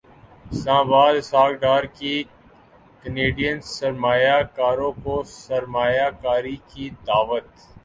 اسلام اباد اسحاق ڈار کی کینیڈین سرمایہ کاروں کو سرمایہ کاری کی دعوت